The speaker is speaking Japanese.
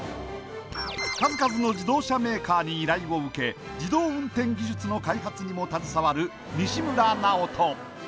数々の自動車メーカーに依頼を受け自動運転技術の開発にも携わる西村直人